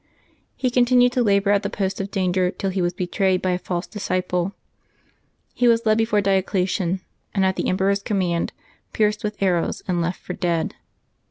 He continued to labor at the post of danger till he was betrayed by a false disciple. He was led before Diocletian, and, at the em peror's command, pierced with arrows and left for dead.